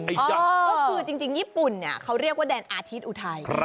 ก็คือจริงญี่ปุ่นเนี่ยเขาเรียกว่าแดนอาทิตย์อุทัย